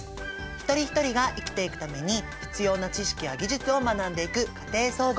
一人一人が生きていくために必要な知識や技術を学んでいく「家庭総合」。